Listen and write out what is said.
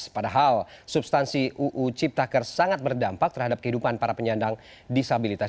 padahal substansi uu cipta kerja sangat berdampak terhadap kehidupan para penyandang disabilitas